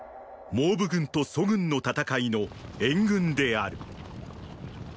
蒙武軍と楚軍の戦いの援軍である。